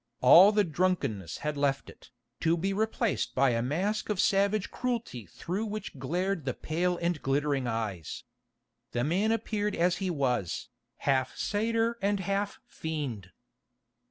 All the drunkenness had left it, to be replaced by a mask of savage cruelty through which glared the pale and glittering eyes. The man appeared as he was, half satyr and half fiend.